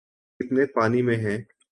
‘ کتنے پانی میں ہیں۔